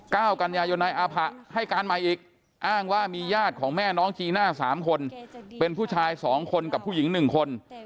ก้าวกัญญายนายอาภาให้การใหม่อีกอ้างว่ามีญาติของแม่น้องจีน่า๓คนเป็นผู้ชาย๒คนกับผู้หญิง๑คน